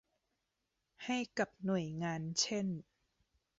ให้กับหน่วยงานเช่น